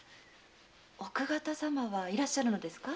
奥方様はいらっしゃるのですか？